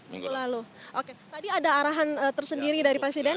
minggu lalu oke tadi ada arahan tersendiri dari presiden